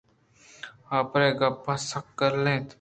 آپرے گپّءَسکّ گل اَت